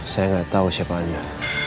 saya gak tau siapa anda